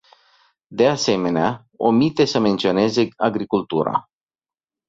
De asemenea, omite să menționeze agricultura.